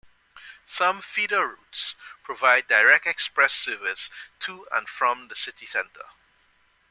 Some feeder routes provide direct express service to and from the city centre.